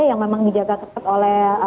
yang memang dijaga ketat oleh